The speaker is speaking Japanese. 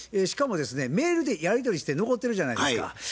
しかもですねメールでやり取りして残ってるじゃないですか。